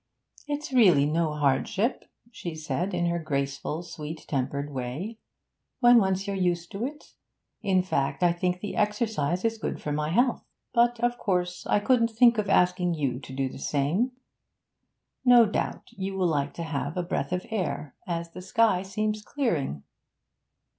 'It's really no hardship,' she said, in her graceful, sweet tempered way, 'when once you're used to it; in fact, I think the exercise is good for my health. But, of course, I couldn't think of asking you to do the same. No doubt you will like to have a breath of air, as the sky seems clearing.'